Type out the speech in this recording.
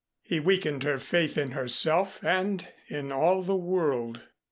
He weakened her faith in herself and in all the world.